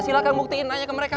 silahkan buktiin nanya ke mereka